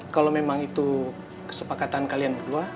kalau memang itu kesepakatan kalian berdua